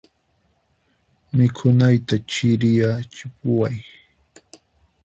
Mikhunayta chiriyachipuway.